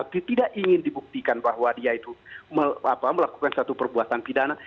tidak ingin dibuktikan bahwa dia itu melakukan satu perbuatan pidana